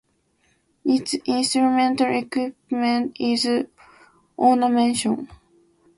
Its instrumental equivalent is ornamentation.